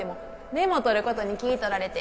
メモ取ることに気いとられて